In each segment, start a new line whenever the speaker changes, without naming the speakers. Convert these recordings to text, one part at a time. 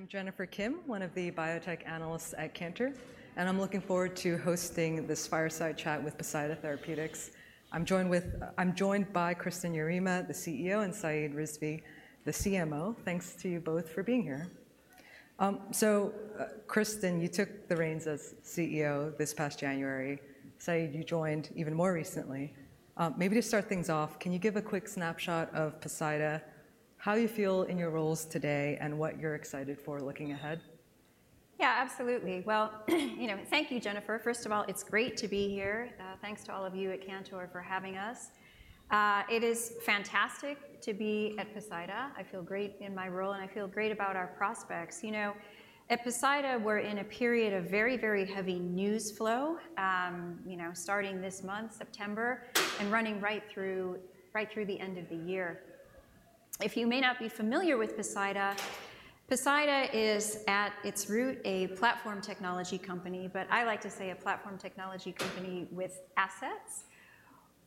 I'm Jennifer Kim, one of the biotech analysts at Cantor, and I'm looking forward to hosting this fireside chat with Poseida Therapeutics. I'm joined by Kristin Yarema, the CEO, and Syed Rizvi, the CMO. Thanks to you both for being here. Kristin, you took the reins as CEO this past January. Syed, you joined even more recently. Maybe to start things off, can you give a quick snapshot of Poseida, how you feel in your roles today, and what you're excited for looking ahead?
Yeah, absolutely. Well, you know, thank you, Jennifer. First of all, it's great to be here. Thanks to all of you at Cantor for having us. It is fantastic to be at Poseida. I feel great in my role, and I feel great about our prospects. You know, at Poseida, we're in a period of very, very heavy news flow, you know, starting this month, September, and running right through, right through the end of the year. If you may not be familiar with Poseida, Poseida is, at its root, a platform technology company, but I like to say a platform technology company with assets.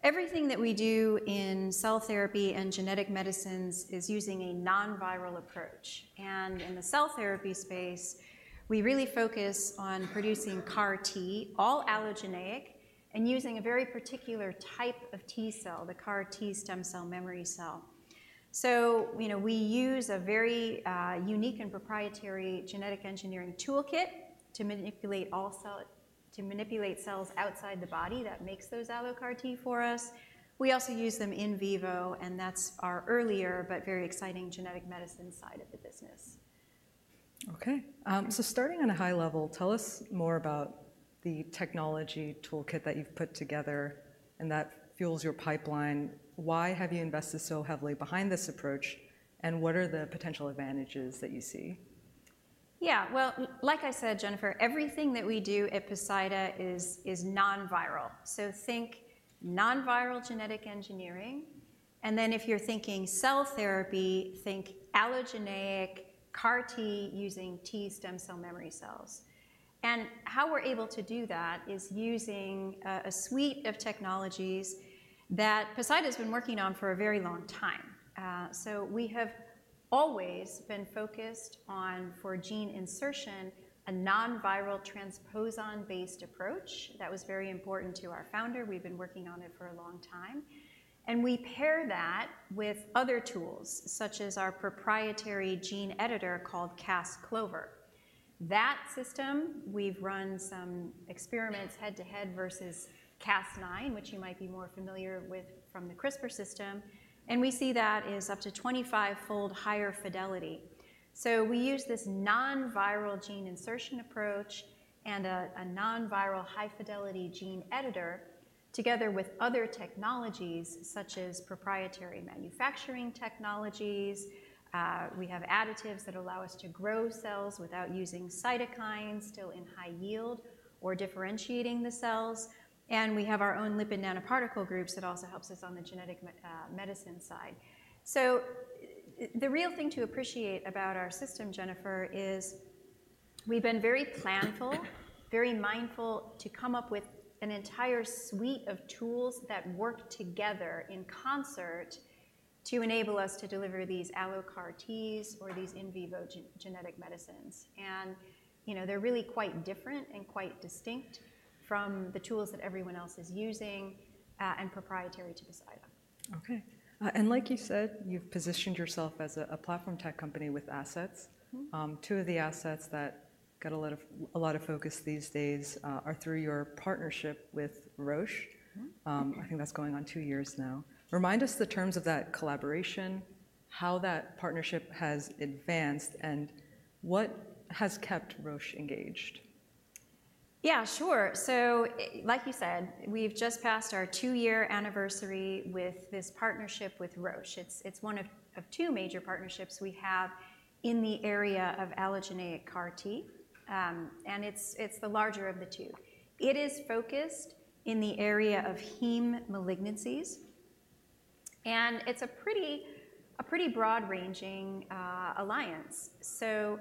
Everything that we do in cell therapy and genetic medicines is using a non-viral approach, and in the cell therapy space, we really focus on producing CAR-T, all allogeneic, and using a very particular type of T cell, the CAR-T stem cell memory cell. So, you know, we use a very unique and proprietary genetic engineering toolkit to manipulate cells outside the body that makes those allo CAR-T for us. We also use them in vivo, and that's our earlier, but very exciting genetic medicine side of the business.
Okay, so starting on a high level, tell us more about the technology toolkit that you've put together and that fuels your pipeline. Why have you invested so heavily behind this approach, and what are the potential advantages that you see?
Yeah, well, like I said, Jennifer, everything that we do at Poseida is non-viral. So think non-viral genetic engineering, and then if you're thinking cell therapy, think allogeneic CAR-T using T stem cell memory cells. And how we're able to do that is using a suite of technologies that Poseida has been working on for a very long time. So we have always been focused on, for gene insertion, a non-viral transposon-based approach. That was very important to our founder. We've been working on it for a long time, and we pair that with other tools, such as our proprietary gene editor called Cas-CLOVER. That system, we've run some experiments head-to-head versus Cas9, which you might be more familiar with from the CRISPR system, and we see that is up to 25-fold higher fidelity. We use this non-viral gene insertion approach and a non-viral high-fidelity gene editor, together with other technologies, such as proprietary manufacturing technologies. We have additives that allow us to grow cells without using cytokines, still in high yield or differentiating the cells, and we have our own lipid nanoparticle groups that also helps us on the genetic medicine side. So the real thing to appreciate about our system, Jennifer, is we've been very planful, very mindful to come up with an entire suite of tools that work together in concert to enable us to deliver these ALLO CAR-Ts or these in vivo genetic medicines. And you know, they're really quite different and quite distinct from the tools that everyone else is using, and proprietary to Poseida.
Okay, and like you said, you've positioned yourself as a platform tech company with assets.
Mm-hmm.
Two of the assets that get a lot of focus these days are through your partnership with Roche.
Mm-hmm.
I think that's going on two years now. Remind us the terms of that collaboration, how that partnership has advanced, and what has kept Roche engaged?
Yeah, sure. So like you said, we've just passed our two-year anniversary with this partnership with Roche. It's one of two major partnerships we have in the area of allogeneic CAR-T, and it's the larger of the two. It is focused in the area of hematologic malignancies, and it's a pretty broad-ranging alliance. So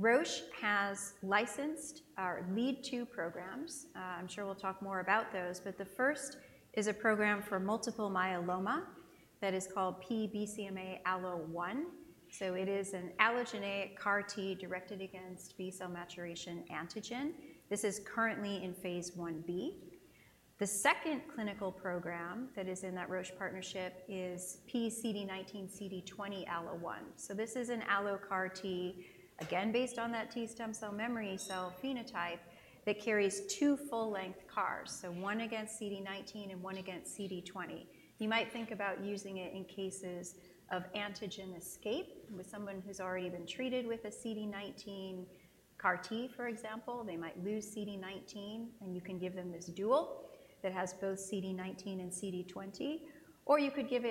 Roche has licensed our lead two programs. I'm sure we'll talk more about those, but the first is a program for multiple myeloma that is called P-BCMA-ALLO1. So it is an allogeneic CAR-T directed against B-cell maturation antigen. This is currently in phase I b. The second clinical program that is in that Roche partnership is P-CD19CD20-ALLO1. So this is an ALLO CAR-T, again, based on that T stem cell memory cell phenotype that carries two full-length CARs, so one against CD19 and one against CD20. You might think about using it in cases of antigen escape with someone who's already been treated with a CD19 CAR-T, for example. They might lose CD19, and you can give them this dual that has both CD19 and CD20, or you could give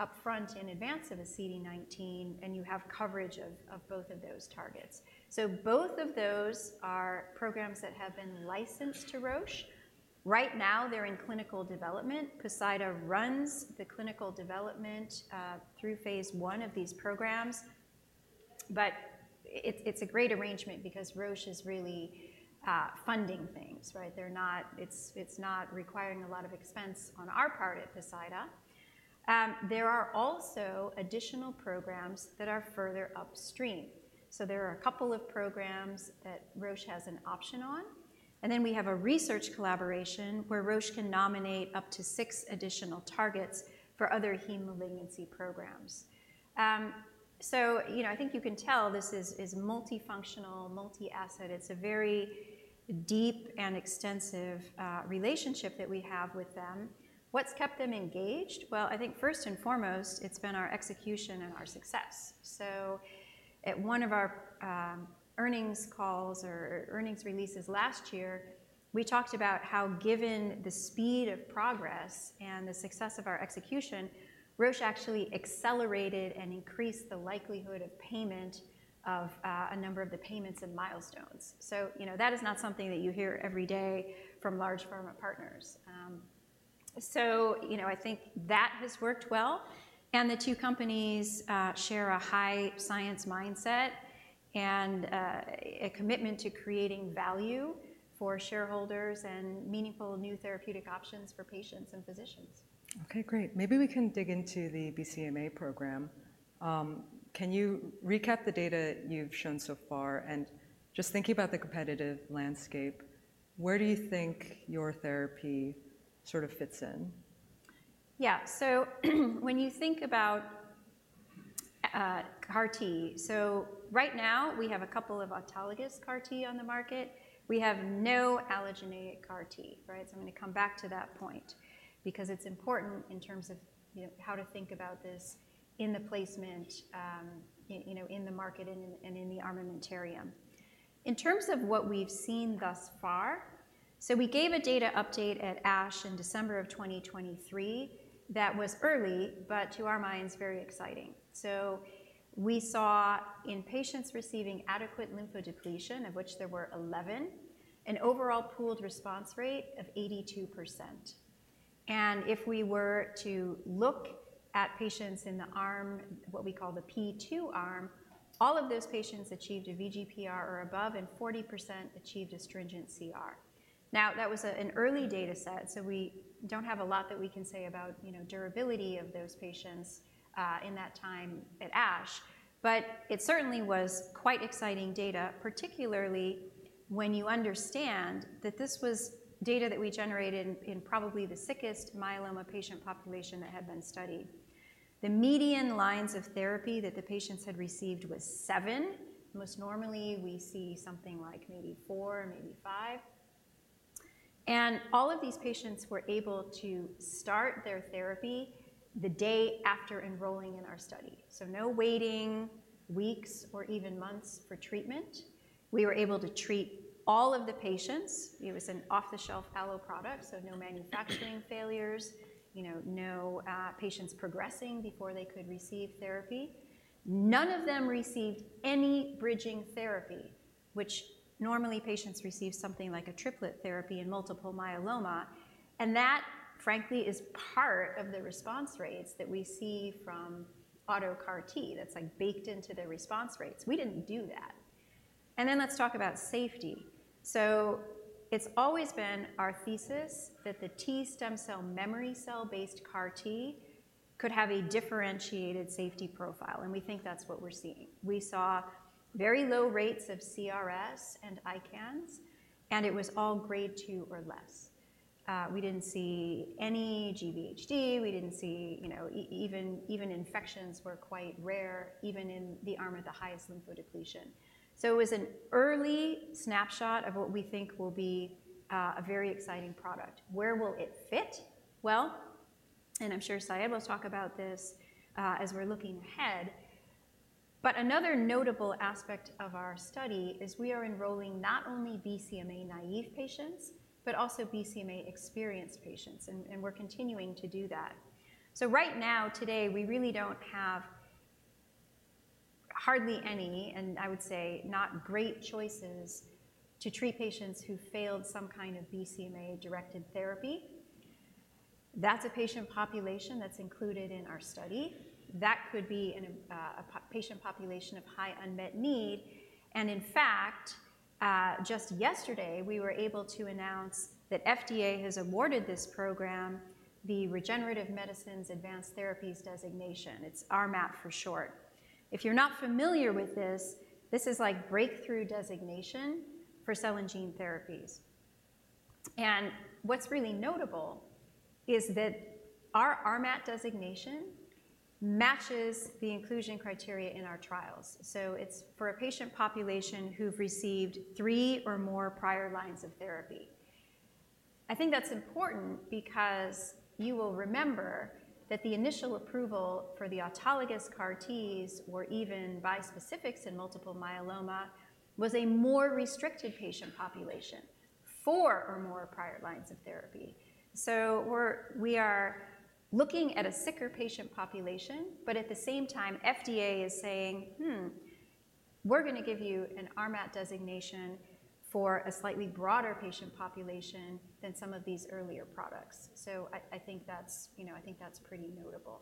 it upfront in advance of a CD19, and you have coverage of both of those targets. So both of those are programs that have been licensed to Roche. Right now, they're in clinical development. Poseida runs the clinical development through phase I of these programs, but it's a great arrangement because Roche is really funding things, right? It's not requiring a lot of expense on our part at Poseida. There are also additional programs that are further upstream. There are a couple of programs that Roche has an option on, and then we have a research collaboration where Roche can nominate up to six additional targets for other heme malignancy programs. So, you know, I think you can tell this is multifunctional, multi-asset. It's a very deep and extensive relationship that we have with them. What's kept them engaged? Well, I think first and foremost, it's been our execution and our success. So at one of our earnings calls or earnings releases last year, we talked about how, given the speed of progress and the success of our execution, Roche actually accelerated and increased the likelihood of payment of a number of the payments and milestones. So, you know, that is not something that you hear every day from large pharma partners. So, you know, I think that has worked well, and the two companies share a high science mindset and a commitment to creating value for shareholders and meaningful new therapeutic options for patients and physicians.
Okay, great. Maybe we can dig into the BCMA program. Can you recap the data you've shown so far, and just thinking about the competitive landscape, where do you think your therapy sort of fits in?
Yeah. So when you think about CAR-T, so right now we have a couple of autologous CAR-T on the market. We have no allogeneic CAR-T, right? So I'm going to come back to that point because it's important in terms of, you know, how to think about this in the placement, in, you know, in the market and in, and in the armamentarium. In terms of what we've seen thus far, so we gave a data update at ASH in December of 2023. That was early, but to our minds, very exciting. So we saw in patients receiving adequate lymphodepletion, of which there were 11, an overall pooled response rate of 82%. If we were to look at patients in the arm, what we call the P2 arm, all of those patients achieved a VGPR or above, and 40% achieved a stringent CR. Now, that was an early data set, so we don't have a lot that we can say about, you know, durability of those patients in that time at ASH. It certainly was quite exciting data, particularly when you understand that this was data that we generated in probably the sickest myeloma patient population that had been studied. The median lines of therapy that the patients had received was seven. Most normally we see something like maybe four, maybe five. All of these patients were able to start their therapy the day after enrolling in our study. No waiting weeks or even months for treatment. We were able to treat all of the patients. It was an off-the-shelf ALLO product, so no manufacturing failures, you know, no, patients progressing before they could receive therapy. None of them received any bridging therapy, which normally patients receive something like a triplet therapy in multiple myeloma, and that, frankly, is part of the response rates that we see from auto CAR-T. That's like baked into the response rates. We didn't do that. And then let's talk about safety. So it's always been our thesis that the T-stem cell memory cell-based CAR-T could have a differentiated safety profile, and we think that's what we're seeing. We saw very low rates of CRS and ICANS, and it was all grade two or less. We didn't see any GVHD. We didn't see, you know, even infections were quite rare, even in the arm with the highest lymphodepletion. It was an early snapshot of what we think will be a very exciting product. Where will it fit? Well, and I'm sure Syed will talk about this, as we're looking ahead, but another notable aspect of our study is we are enrolling not only BCMA-naïve patients, but also BCMA-experienced patients, and we're continuing to do that. So right now, today, we really don't have hardly any, and I would say, not great choices to treat patients who failed some kind of BCMA-directed therapy. That's a patient population that's included in our study. That could be a patient population of high unmet need. In fact, just yesterday, we were able to announce that FDA has awarded this program the Regenerative Medicine Advanced Therapy Designation. It's RMAT, for short. If you're not familiar with this, this is like breakthrough designation for cell and gene therapies. And what's really notable is that our RMAT designation matches the inclusion criteria in our trials, so it's for a patient population who've received three or more prior lines of therapy. I think that's important because you will remember that the initial approval for the autologous CAR-Ts or even bispecifics in multiple myeloma was a more restricted patient population, four or more prior lines of therapy. So we are looking at a sicker patient population, but at the same time, FDA is saying, "Hmm, we're going to give you an RMAT designation for a slightly broader patient population than some of these earlier products." So I think that's, you know, I think that's pretty notable.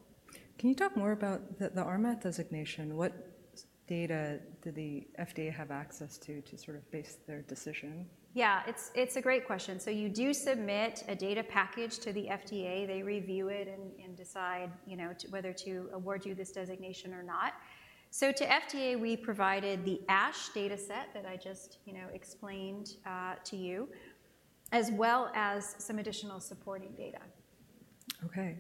Can you talk more about the RMAT designation? What data did the FDA have access to, to sort of base their decision?
Yeah, it's a great question. So you do submit a data package to the FDA. They review it and decide, you know, to whether to award you this designation or not. So to FDA, we provided the ASH data set that I just, you know, explained to you, as well as some additional supporting data.
Okay.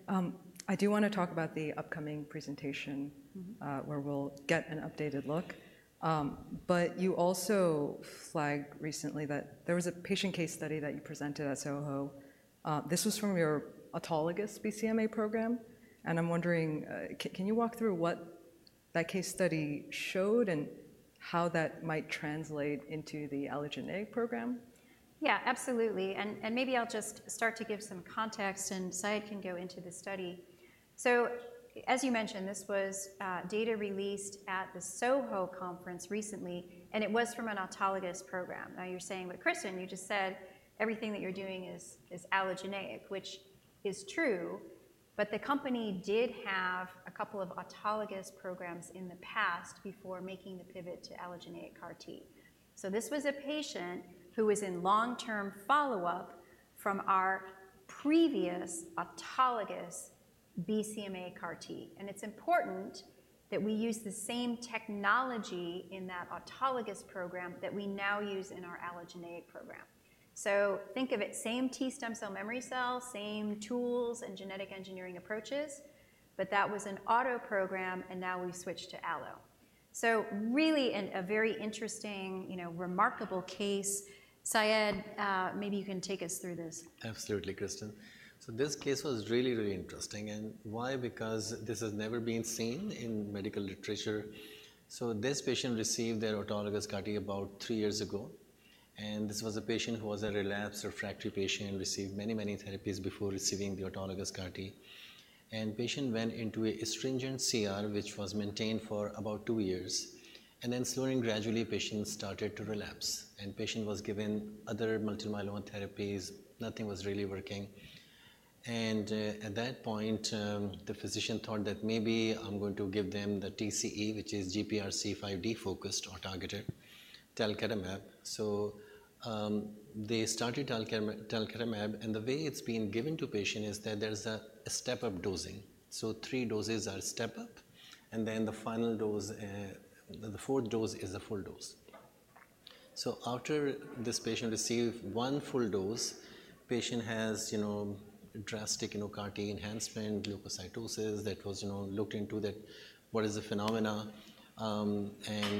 I do wanna talk about the upcoming presentation-
Mm-hmm.
where we'll get an updated look. But you also flagged recently that there was a patient case study that you presented at SOHO. This was from your autologous BCMA program, and I'm wondering, can you walk through what that case study showed and how that might translate into the allogeneic program?
Yeah, absolutely. And maybe I'll just start to give some context, and Syed can go into the study. So as you mentioned, this was data released at the SOHO conference recently, and it was from an autologous program. Now, you're saying, "But Kristin, you just said everything that you're doing is allogeneic," which is true, but the company did have a couple of autologous programs in the past before making the pivot to allogeneic CAR-T. This was a patient who was in long-term follow-up from our previous autologous BCMA CAR-T. And it's important that we use the same technology in that autologous program that we now use in our allogeneic program. So think of it, same T stem cell memory cell, same tools and genetic engineering approaches, but that was an auto program, and now we've switched to ALLO. So really a very interesting, you know, remarkable case. Syed, maybe you can take us through this.
Absolutely, Kristin. So this case was really, really interesting. And why? Because this has never been seen in medical literature. So this patient received their autologous CAR-T about three years ago, and this was a patient who was a relapsed refractory patient and received many, many therapies before receiving the autologous CAR-T. And patient went into a stringent CR, which was maintained for about two years, and then slowly and gradually, patient started to relapse. And patient was given other multiple myeloma therapies. Nothing was really working. And at that point, the physician thought that maybe I'm going to give them the TCE, which is GPRC5D-focused or targeted talquetamab. So they started talquetamab, and the way it's been given to patient is that there's a step-up dosing. Three doses are step-up, and then the final dose, the fourth dose is a full dose. After this patient received one full dose, patient has, you know, drastic, you know, CAR-T enhancement, leukocytosis, that was looked into, what is the phenomenon? And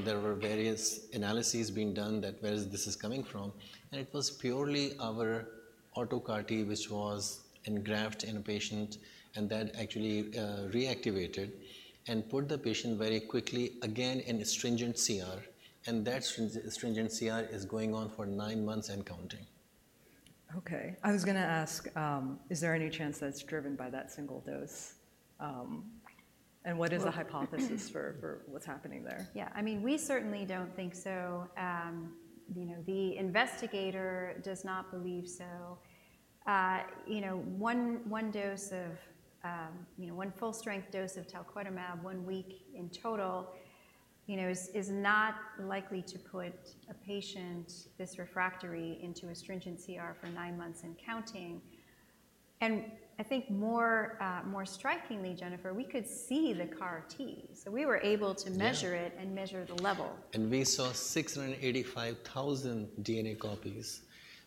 there were various analyses being done to where this is coming from, and it was purely our autologous CAR-T, which was engrafted in a patient, and that actually reactivated and put the patient very quickly again in a stringent CR, and that stringent CR is going on for nine months and counting.
Okay. I was gonna ask, is there any chance that it's driven by that single dose? And what is the hypothesis for what's happening there?
Yeah, I mean, we certainly don't think so. You know, the investigator does not believe so. You know, one full-strength dose of talquetamab, one week in total, you know, is not likely to put a patient this refractory into a stringent CR for nine months and counting. And I think more strikingly, Jennifer, we could see the CAR-T. So we were able to measure it and measure the level.
We saw 685,000 DNA copies,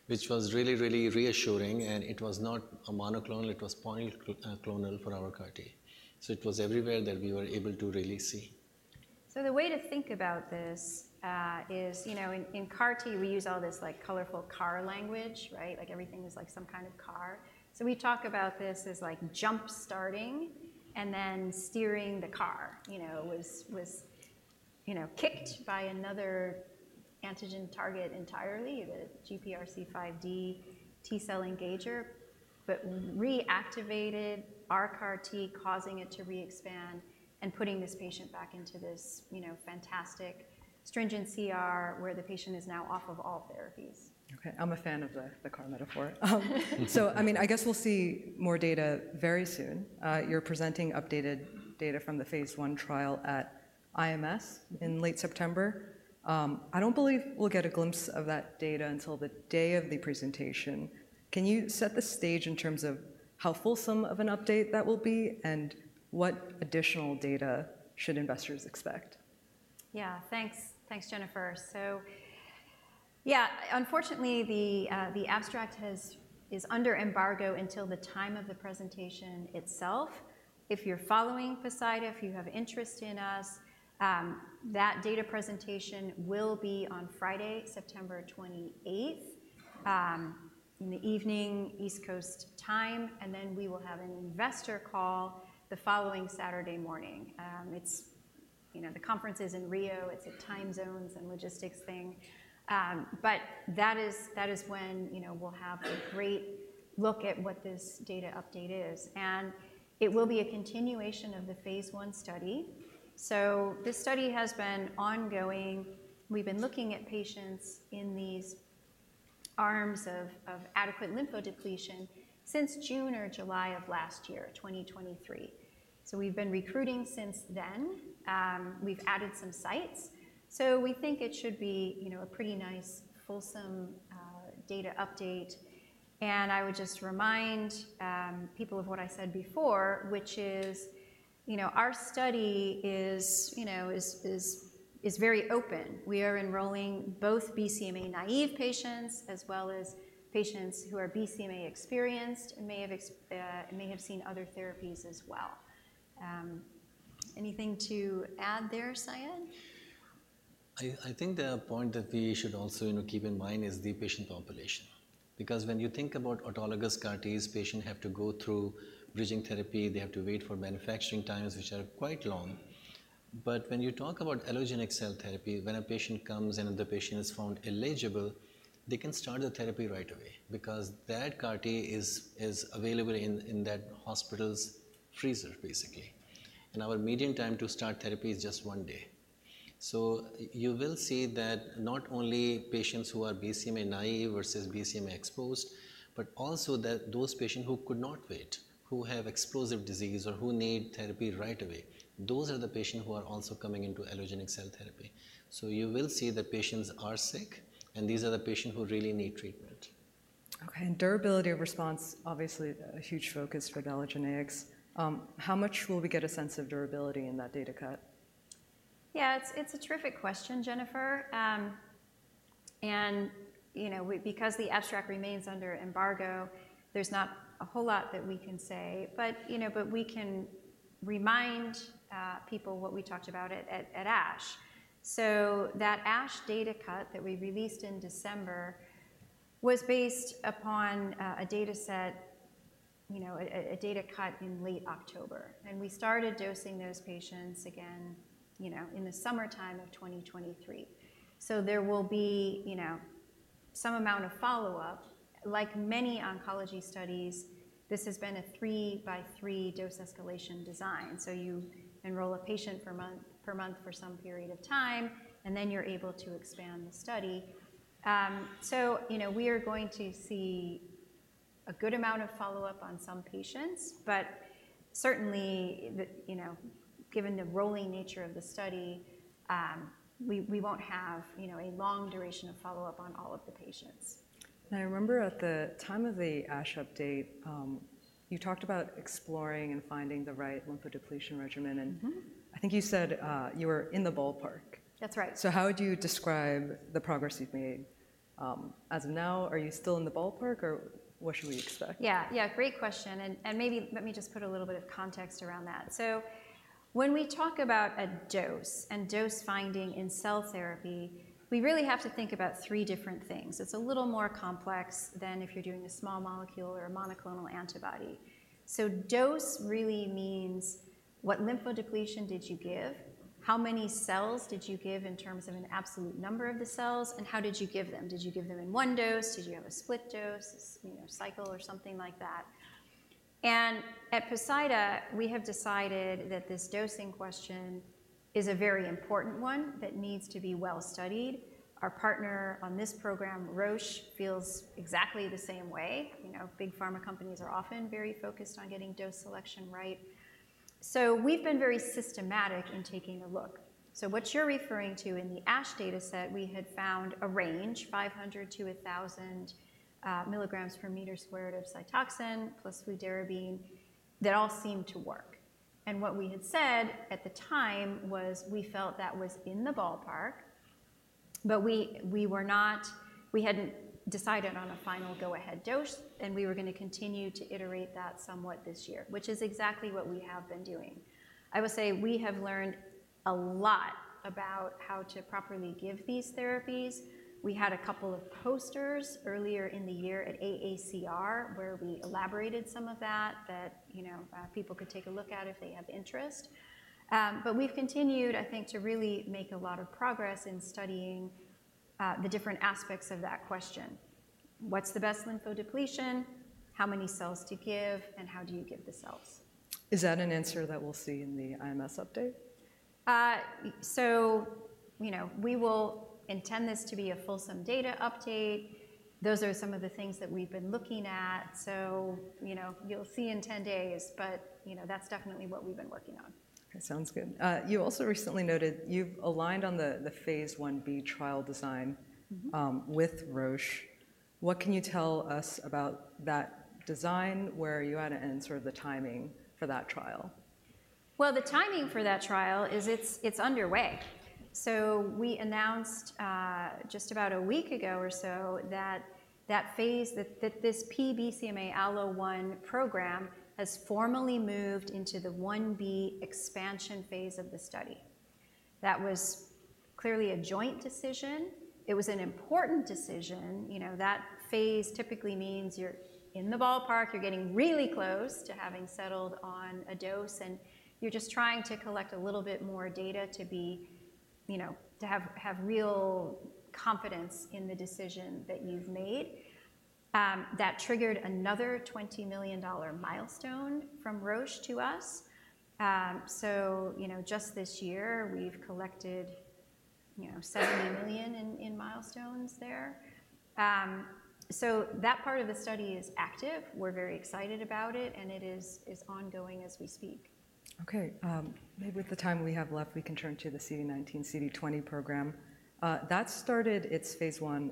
which was really, really reassuring, and it was not a monoclonal, it was polyclonal for our CAR-T. So it was everywhere that we were able to really see.
So the way to think about this is, you know, in CAR-T, we use all this like colorful car language, right? Like everything is like some kind of car. So we talk about this as like jump-starting and then steering the car. You know, it was you know, kicked by another antigen target entirely, the GPRC5D T-cell engager, but reactivated our CAR-T, causing it to re-expand and putting this patient back into this, you know, fantastic stringent CR, where the patient is now off of all therapies.
Okay. I'm a fan of the car metaphor. So, I mean, I guess we'll see more data very soon. You're presenting updated data from the phase I trial at IMS in late September. I don't believe we'll get a glimpse of that data until the day of the presentation. Can you set the stage in terms of how fulsome of an update that will be, and what additional data should investors expect?
Yeah, thanks. Thanks, Jennifer. So yeah, unfortunately, the abstract is under embargo until the time of the presentation itself. If you're following Poseida, if you have interest in us, that data presentation will be on Friday, September 28, in the evening, East Coast time, and then we will have an investor call the following Saturday morning. It's, you know, the conference is in Rio. It's a time zones and logistics thing. But that is when, you know, we'll have a great look at what this data update is. And it will be a continuation of the phase I study. So this study has been ongoing. We've been looking at patients in these arms of adequate lymphodepletion since June or July of last year, 2023. So we've been recruiting since then. We've added some sites, so we think it should be, you know, a pretty nice, fulsome data update. And I would just remind people of what I said before, which is, you know, our study is, you know, very open. We are enrolling both BCMA-naive patients as well as patients who are BCMA experienced and may have seen other therapies as well. Anything to add there, Syed?
I think the point that we should also, you know, keep in mind is the patient population. Because when you think about autologous CAR-Ts, patients have to go through bridging therapy, they have to wait for manufacturing times, which are quite long. But when you talk about allogeneic cell therapy, when a patient comes in and the patient is found eligible, they can start the therapy right away because that CAR-T is available in that hospital's freezer, basically. And our median time to start therapy is just one day. You will see that not only patients who are BCMA naive versus BCMA exposed, but also that those patients who could not wait, who have explosive disease or who need therapy right away, those are the patients who are also coming into allogeneic cell therapy. So you will see the patients are sick, and these are the patients who really need treatment.
Okay, and durability of response, obviously a huge focus for allogeneics. How much will we get a sense of durability in that data cut?
Yeah, it's a terrific question, Jennifer. And, you know, we, because the abstract remains under embargo, there's not a whole lot that we can say. But, you know, but we can remind people what we talked about at ASH. So that ASH data cut that we released in December was based upon a data set, you know, a data cut in late October, and we started dosing those patients again, you know, in the summertime of 2023. So there will be, you know, some amount of follow-up. Like many oncology studies, this has been a three-by-three dose escalation design. So you enroll a patient per month for some period of time, and then you're able to expand the study. You know, we are going to see a good amount of follow-up on some patients, but certainly, you know, given the rolling nature of the study, we won't have, you know, a long duration of follow-up on all of the patients.
I remember at the time of the ASH update, you talked about exploring and finding the right lymphodepletion regimen and-
Mm-hmm.
I think you said, you were in the ballpark.
That's right.
How would you describe the progress you've made? As of now, are you still in the ballpark, or what should we expect?
Yeah. Yeah, great question, and maybe let me just put a little bit of context around that. So when we talk about a dose and dose finding in cell therapy, we really have to think about three different things. It's a little more complex than if you're doing a small molecule or a monoclonal antibody. So dose really means, what lymphodepletion did you give? How many cells did you give in terms of an absolute number of the cells, and how did you give them? Did you give them in one dose? Did you have a split dose, you know, cycle or something like that? And at Poseida, we have decided that this dosing question is a very important one that needs to be well-studied. Our partner on this program, Roche, feels exactly the same way. You know, big pharma companies are often very focused on getting dose selection right. So we've been very systematic in taking a look. So what you're referring to in the ASH data set, we had found a range, five hundred to a thousand, milligrams per meter squared of Cytoxan plus fludarabine. That all seemed to work. And what we had said at the time was we felt that was in the ballpark, but we were not, we hadn't decided on a final go-ahead dose, and we were gonna continue to iterate that somewhat this year, which is exactly what we have been doing. I would say we have learned a lot about how to properly give these therapies. We had a couple of posters earlier in the year at AACR, where we elaborated some of that, you know, people could take a look at if they have interest, but we've continued, I think, to really make a lot of progress in studying the different aspects of that question. What's the best lymphodepletion? How many cells to give, and how do you give the cells?
Is that an answer that we'll see in the IMS update?
You know, we will intend this to be a fulsome data update. Those are some of the things that we've been looking at. You know, you'll see in 10 days, but, you know, that's definitely what we've been working on.
That sounds good. You also recently noted you've aligned on the phase I b trial design with Roche. What can you tell us about that design, where you at, and sort of the timing for that trial?
The timing for that trial is underway. We announced just about a week ago or so that this P-BCMA-ALLO1 program has formally moved into the phase I b expansion phase of the study. That was clearly a joint decision. It was an important decision. You know, that phase typically means you're in the ballpark, you're getting really close to having settled on a dose, and you're just trying to collect a little bit more data to have real confidence in the decision that you've made. That triggered another $20 million milestone from Roche to us. You know, just this year we've collected $70 million in milestones there. That part of the study is active. We're very excited about it, and it is ongoing as we speak.
Okay, maybe with the time we have left, we can turn to the CD19, CD20 program. That started its phase I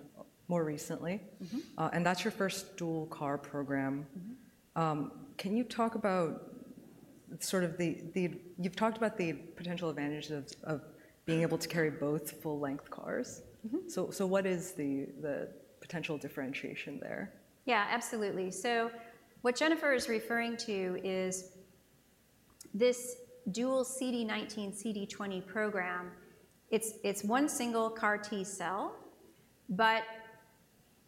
more recently.
Mm-hmm.
And that's your first dual CAR program. Can you talk about sort of the. You've talked about the potential advantages of being able to carry both full-length CARs?
Mm-hmm.
So, what is the potential differentiation there?
Yeah, absolutely. So what Jennifer is referring to is this dual CD19, CD20 program. It's one single CAR-T cell, but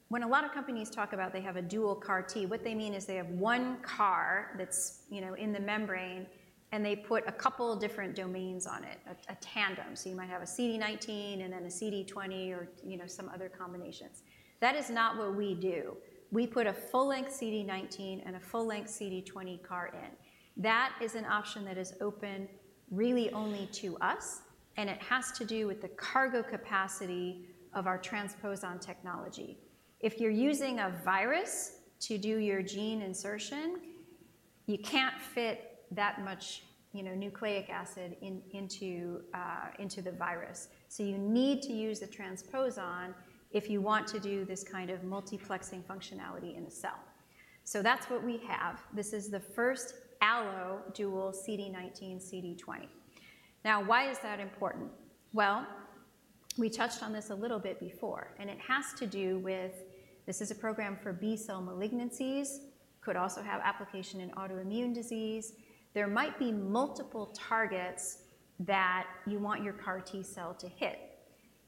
when a lot of companies talk about they have a dual CAR-T, what they mean is they have one CAR-That's, you know, in the membrane, and they put a couple different domains on it, a tandem. So you might have a CD19 and then a CD20 or, you know, some other combinations. That is not what we do. We put a full-length CD19 and a full-length CD20 CAR in. That is an option that is open really only to us, and it has to do with the cargo capacity of our transposon technology. If you're using a virus to do your gene insertion, you can't fit that much, you know, nucleic acid into the virus. You need to use a transposon if you want to do this kind of multiplexing functionality in a cell. So that's what we have. This is the first ALLO dual CD19, CD20. Now, why is that important? Well, we touched on this a little bit before, and it has to do with this. This is a program for B-cell malignancies, could also have application in autoimmune disease. There might be multiple targets that you want your CAR-T cell to hit.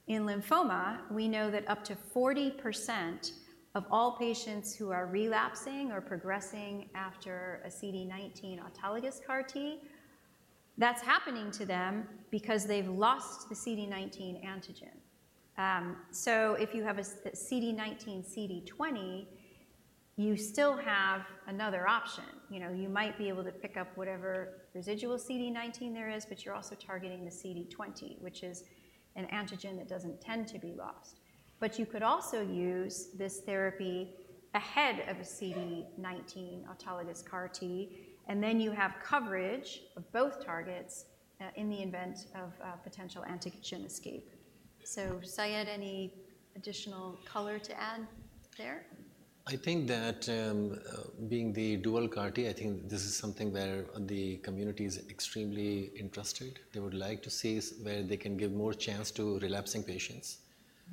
In lymphoma, we know that up to 40% of all patients who are relapsing or progressing after a CD19 autologous CAR-T, that's happening to them because they've lost the CD19 antigen. So if you have a CD19, CD20, you still have another option. You know, you might be able to pick up whatever residual CD19 there is, but you're also targeting the CD20, which is an antigen that doesn't tend to be lost. But you could also use this therapy ahead of a CD19 autologous CAR-T, and then you have coverage of both targets in the event of potential antigen escape. So, Syed, any additional color to add there?
I think that, being the dual CAR-T, I think this is something where the community is extremely interested. They would like to see where they can give more chance to relapsing patients.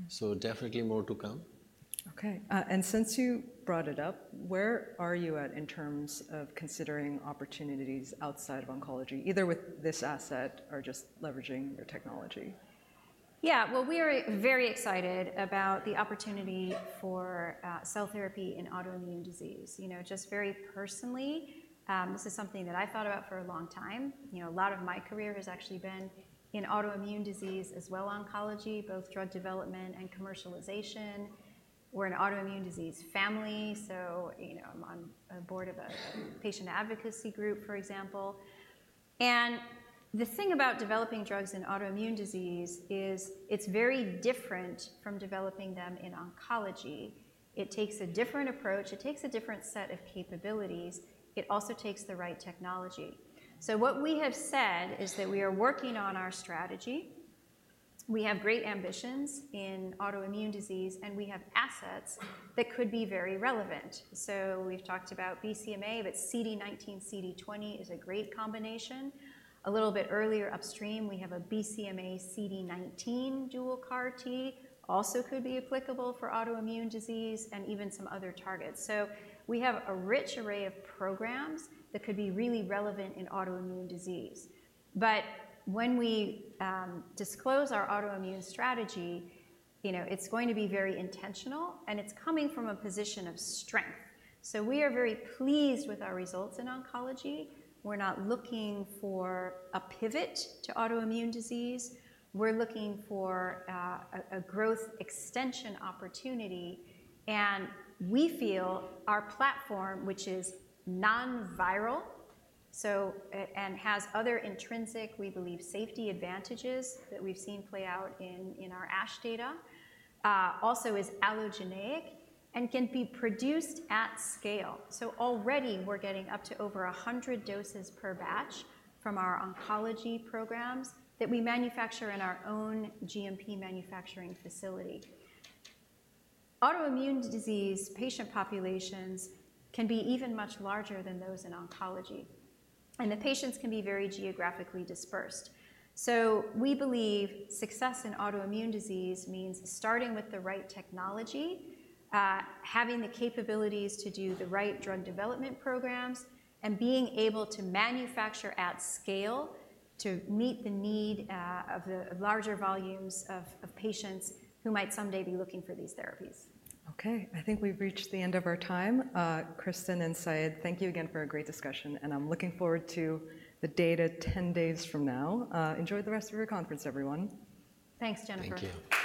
So definitely more to come.
Okay, and since you brought it up, where are you at in terms of considering opportunities outside of oncology, either with this asset or just leveraging your technology?
Yeah. Well, we are very excited about the opportunity for cell therapy in autoimmune disease. You know, just very personally, this is something that I've thought about for a long time. You know, a lot of my career has actually been in autoimmune disease as well as oncology, both drug development and commercialization. We're an autoimmune disease family, so, you know, I'm on a board of a patient advocacy group, for example. And the thing about developing drugs in autoimmune disease is it's very different from developing them in oncology. It takes a different approach, it takes a different set of capabilities. It also takes the right technology. So what we have said is that we are working on our strategy. We have great ambitions in autoimmune disease, and we have assets that could be very relevant. We've talked about BCMA, but CD19, CD20 is a great combination. A little bit earlier upstream, we have a BCMA, CD19 dual CAR-T, also could be applicable for autoimmune disease and even some other targets. So we have a rich array of programs that could be really relevant in autoimmune disease. But when we disclose our autoimmune strategy, you know, it's going to be very intentional, and it's coming from a position of strength. So we are very pleased with our results in oncology. We're not looking for a pivot to autoimmune disease. We're looking for a growth extension opportunity, and we feel our platform, which is non-viral, and has other intrinsic, we believe, safety advantages that we've seen play out in our ASH data, also is allogeneic and can be produced at scale. Already we're getting up to over 100 doses per batch from our oncology programs that we manufacture in our own GMP manufacturing facility. Autoimmune disease patient populations can be even much larger than those in oncology, and the patients can be very geographically dispersed. We believe success in autoimmune disease means starting with the right technology, having the capabilities to do the right drug development programs, and being able to manufacture at scale to meet the need of the larger volumes of patients who might someday be looking for these therapies.
Okay, I think we've reached the end of our time. Kristin and Syed, thank you again for a great discussion, and I'm looking forward to the data ten days from now. Enjoy the rest of your conference, everyone.
Thanks, Jennifer.
Thank you.